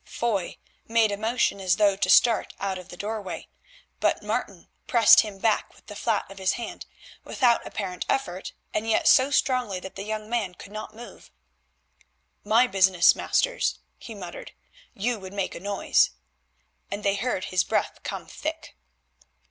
Foy made a motion as though to start out of the doorway, but Martin pressed him back with the flat of his hand, without apparent effort, and yet so strongly that the young man could not move. "My business, masters," he muttered; "you would make a noise," and they heard his breath come thick.